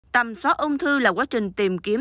tầm xóa ung thư là quá trình tìm kiếm